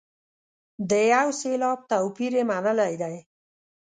د یو سېلاب توپیر یې منلی دی.